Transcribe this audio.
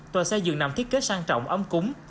toa xe dường nằm thiết kế sang trọng ấm cúng